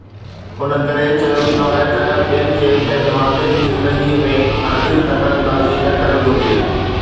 ان ڪري چيو ويندو آهي ته ٻين کي پنهنجي والدين جي زندگيءَ ۾ هرگز دخل اندازي نه ڪرڻ گهرجي